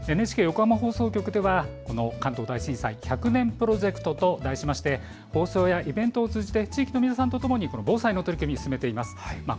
ＮＨＫ横浜放送局では関東大震災１００年プロジェクトと題して放送やイベントなどを通じて地域の皆さんとともに防災の取り組みを進めています。